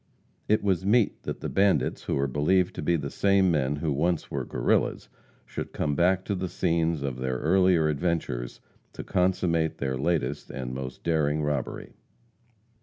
It was meet that the bandits, who are believed to be the same men who once were Guerrillas, should come back to the scenes of their earlier adventures, to consummate their latest and most daring robbery.